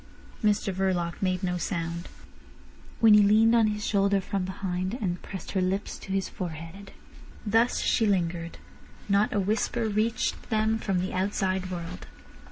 Mr Verloc made no sound. Winnie leaned on his shoulder from behind, and pressed her lips to his forehead. Thus she lingered. Not a whisper reached them from the outside world.